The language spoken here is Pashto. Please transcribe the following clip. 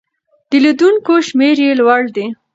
د لیدونکو شمېر یې لوړ دی.